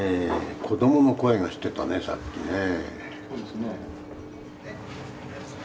子どもの声がしてたねさっきねえ。